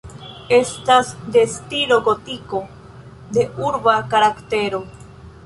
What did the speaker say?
Estas de stilo gotiko, de urba karaktero.